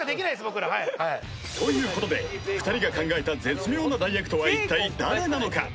僕らということで２人が考えた絶妙な代役とは一体誰なのか？